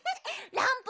ランププ